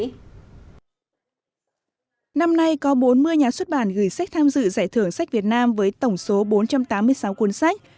năm nay có bốn mươi nhà xuất bản gửi sách tham dự giải thưởng sách việt nam với tổng số bốn trăm tám mươi sáu cuốn sách